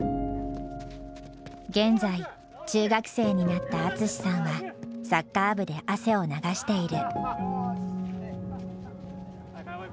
現在中学生になった淳さんはサッカー部で汗を流している。